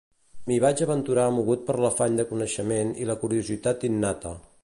M'hi vaig aventurar mogut per l'afany de coneixement i la curiositat innata.